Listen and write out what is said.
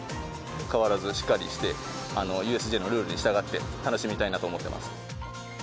変わらずしっかりして、ＵＳＪのルールに従って楽しみたいなと思ってます。